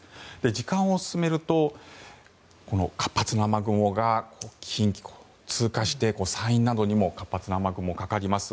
時間を進めると活発な雨雲が近畿を通過して山陰などにも活発な雨雲がかかります。